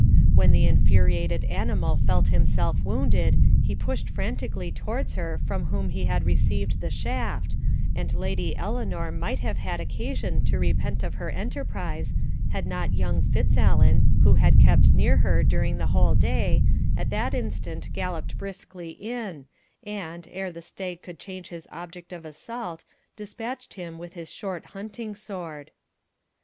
When the infuriated animal felt himself wounded, he pushed frantically towards her from whom he had received the shaft, and Lady Eleanor might have had occasion to repent of her enterprise, had not young Fitzallen, who had kept near her during the whole day, at that instant galloped briskly in, and, ere the stag could change his object of assault, despatched him with his short hunting sword.